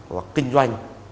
hoặc kinh doanh